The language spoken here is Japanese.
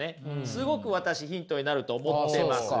すごく私ヒントになると思ってます。